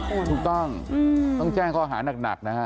ถูกต้องต้องแจ้งข้อหานักนะฮะ